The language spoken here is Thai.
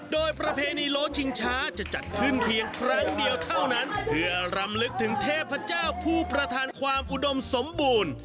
โดยประเพณีโลชิงช้าจะจัดขึ้นเพียงครั้งเดียวเท่านั้นเพื่อรำลึกถึงเทพเจ้าผู้ประทานความอุดมสมบูรณ์